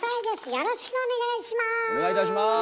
よろしくお願いします。